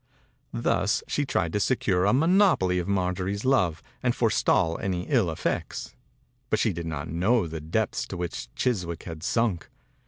Thus she tried to secure a monopoly of Marjorie's love, and forestall any ill effects, but she did not know the depths to which Chiswick had sunk.